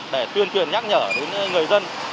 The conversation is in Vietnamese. để tuyên truyền nhắc nhở đến người dân